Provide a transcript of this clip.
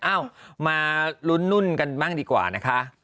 เอ้ามาลุ้นนุ่นกันบ้างดีกว่านะคะ